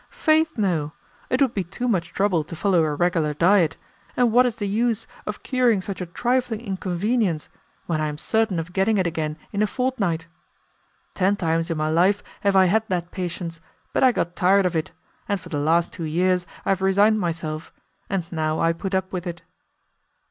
"Faith, no. It would be too much trouble to follow a regular diet, and what is the use of curing such a trifling inconvenience when I am certain of getting it again in a fortnight. Ten times in my life I have had that patience, but I got tired of it, and for the last two years I have resigned myself, and now I put up with it."